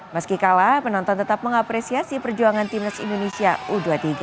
meski kalah penonton tetap mengapresiasi perjuangan timnas indonesia u dua puluh tiga